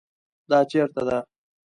دا چیرته ده؟